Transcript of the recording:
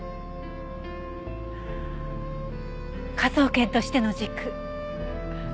科捜研としての軸。